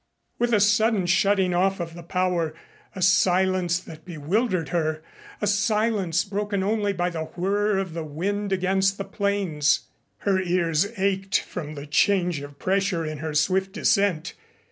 With the sudden shutting off of the power, a silence that bewildered her, a silence broken only by the whirr of the wind against the planes. Her ears ached from the change of pressure in her swift descent.